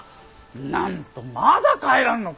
なんとまだ帰らぬのか。